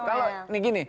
kalau ini gini